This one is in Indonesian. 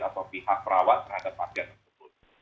atau pihak perawat terhadap pasien tersebut